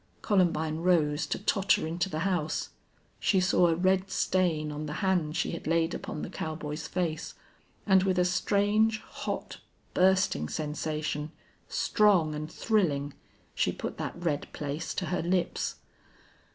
Columbine rose to totter into the house. She saw a red stain on the hand she had laid upon the cowboy's face, and with a strange, hot, bursting sensation, strong and thrilling, she put that red place to her lips.